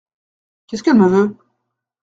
Qu’est-ce qu’elle me veut ?